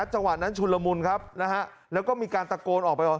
จังหวะนั้นชุนละมุนครับนะฮะแล้วก็มีการตะโกนออกไป